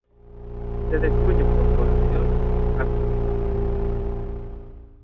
Se destruyen por cloración y pasteurización.